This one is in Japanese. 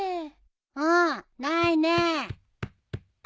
うんないねえ。